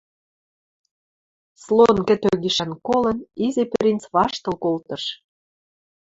Слон кӹтӧ гишӓн колын, Изи принц ваштыл колтыш.